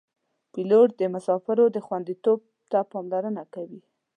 پیلوټ د مسافرو خوندیتوب ته پاملرنه کوي.